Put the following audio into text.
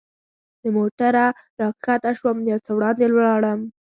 له موټره را کښته شوم، یو څه وړاندې ولاړم.